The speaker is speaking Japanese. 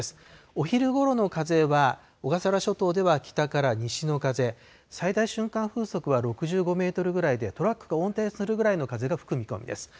お昼ごろの風は小笠原諸島では北から西の風、最大瞬間風速は６５メートルぐらいで、トラックが横転するぐらいの風が吹く見込みです。